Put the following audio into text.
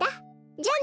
じゃあね。